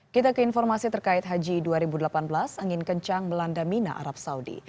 kita ke informasi terkait haji dua ribu delapan belas angin kencang melanda mina arab saudi